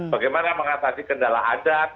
bagaimana mengatasi kendala adat